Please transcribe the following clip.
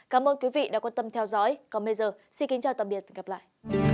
cảm ơn quý vị đã quan tâm theo dõi còn bây giờ xin kính chào tạm biệt và hẹn gặp lại